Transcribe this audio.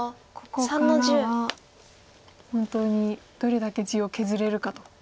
ここからは本当にどれだけ地を削れるかと。